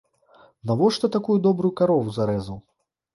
Навошта такую добрую карову зарэзаў?